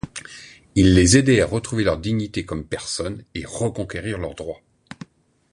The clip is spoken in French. Il les aidait à retrouver leur dignité comme personnes, et reconquérir leurs droits.